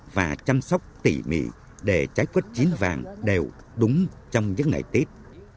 và chăm sóc tỉ mỉ để trái quất chín vàng đều đúng trong những ngày tết